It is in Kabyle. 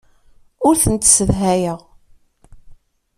Ur tent-ssedhayeɣ.